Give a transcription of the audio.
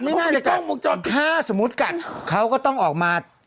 นี่น่าจะกัดถ้าสมมุติกัดเขาก็ต้องออกมา